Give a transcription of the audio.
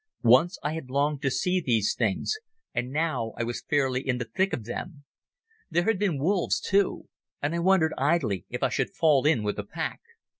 Once I had longed to see these things, and now I was fairly in the thick of them. There had been wolves, too, and I wondered idly if I should fall in with a pack.